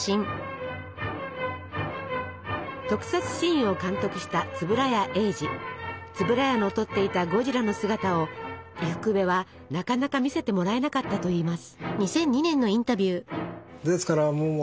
特撮シーンを監督した円谷の撮っていたゴジラの姿を伊福部はなかなか見せてもらえなかったといいます。